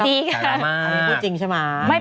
อันนี้พูดจริงใช่ไหม